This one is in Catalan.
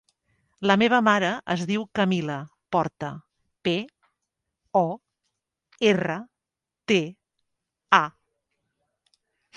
La meva mare es diu Camila Porta: pe, o, erra, te, a.